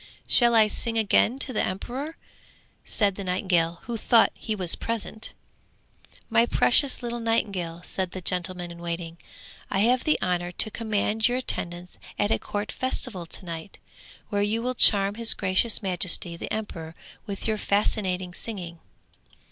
'Shall I sing again to the emperor?' said the nightingale, who thought he was present. 'My precious little nightingale,' said the gentleman in waiting, 'I have the honour to command your attendance at a court festival to night, where you will charm his gracious majesty the emperor with your fascinating singing.'